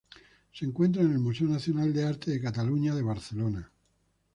Se encuentra en el Museo Nacional de Arte de Cataluña de Barcelona.